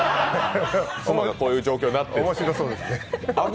妻がこういう状況になってるのに。